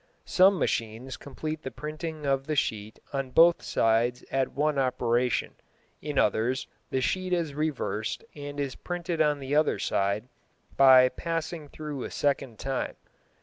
Some machines complete the printing of the sheet on both sides at one operation. In others the sheet is reversed and is printed on the other side by passing through a second time.